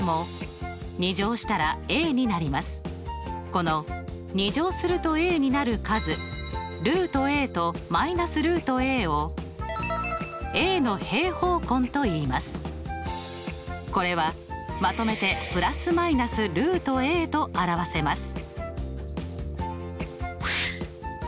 この２乗するとになる数これはまとめて±と表せます。